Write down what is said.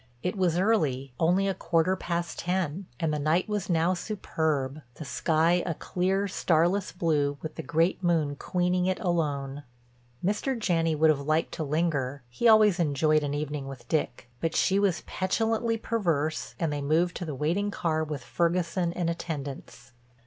It was early, only a quarter past ten, and the night was now superb, the sky a clear, starless blue with the great moon queening it alone. Mr. Janney would have liked to linger—he always enjoyed an evening with Dick—but she was petulantly perverse, and they moved to the waiting car with Ferguson in attendance.